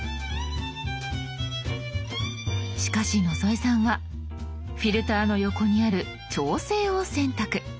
しかし野添さんは「フィルター」の横にある「調整」を選択。